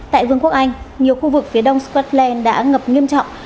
tại vương quốc anh nhiều khu vực phía đông scotland đã ngập nghiêm trọng